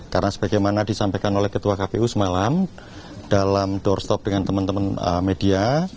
karena sebagaimana disampaikan oleh ketua kpu semalam dalam doorstop dengan teman teman media